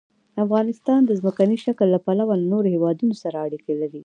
افغانستان د ځمکني شکل له پلوه له نورو هېوادونو سره اړیکې لري.